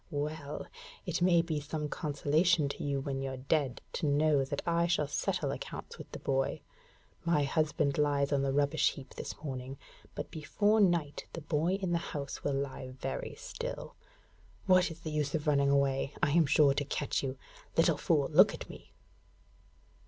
'Well! It may be some consolation to you when you're dead to know that I shall settle accounts with the boy. My husband lies on the rubbish heap this morning, but before night the boy in the house will lie very still. What is the use of running away? I am sure to catch you. Little fool, look at me!'